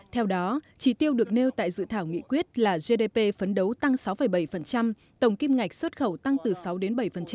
theo đó chỉ tiêu được nêu tại dự thảo nghị quyết là gdp phấn đấu tăng sáu bảy tổng kim ngạch xuất khẩu tăng từ sáu đến bảy